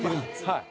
はい。